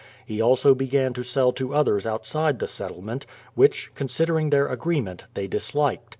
He also began to sell to others out side the settlement, which, considering their agreement, they disliked.